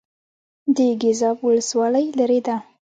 د ګیزاب ولسوالۍ لیرې ده